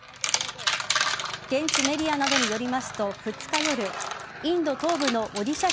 現地メディアなどによりますと２日夜インド東部のオディシャ